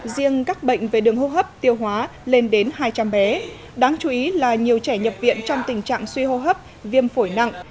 riêng các bệnh về đường hô hấp tiêu hóa lên đến hai trăm linh bé đáng chú ý là nhiều trẻ nhập viện trong tình trạng suy hô hấp viêm phổi nặng